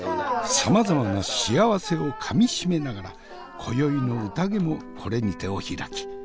さまざまな幸せをかみしめながら今宵の宴もこれにてお開き。